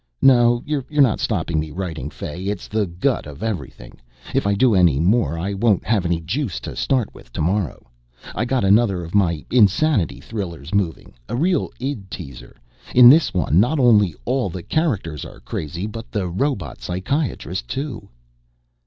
"No, you're not stopping me writing, Fay it's the gut of evening. If I do any more I won't have any juice to start with tomorrow. I got another of my insanity thrillers moving. A real id teaser. In this one not only all the characters are crazy but the robot psychiatrist too."